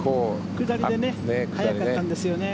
下りで速かったんですよね。